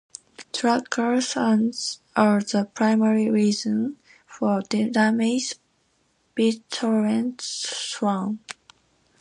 Trackers are the primary reason for a damaged BitTorrent "swarm".